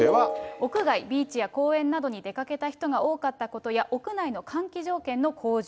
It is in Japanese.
屋外、ビーチや公園などに出かけた人が多かったことや、屋内の換気条件の向上。